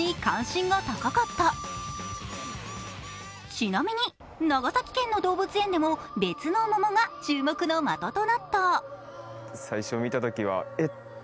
ちなみに、長崎県の動物園でも別のモモが注目の的となった。